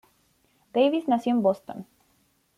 Davis nació en Boston.